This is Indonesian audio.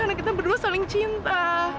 karena kita berdua saling cinta